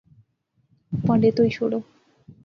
پہانڈے تہوئی شوڑو